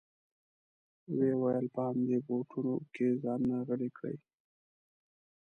وې ویل په همدې بوټو کې ځانونه غلي کړئ.